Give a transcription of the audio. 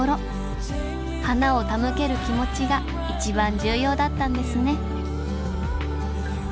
花を手向ける気持ちが一番重要だったんですね